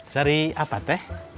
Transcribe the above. cari apa teh